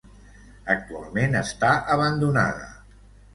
Actualment està abandonada.